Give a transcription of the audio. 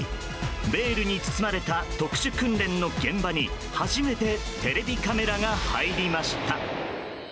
ベールに包まれた特殊訓練の現場に初めてテレビカメラが入りました。